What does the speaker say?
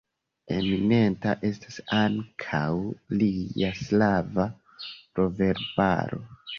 Eminenta estas ankaŭ lia slava proverbaro.